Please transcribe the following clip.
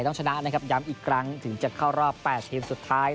แถมถึงจะเข้ารอบรอบสุดท้าย